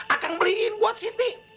akang beliin buat siti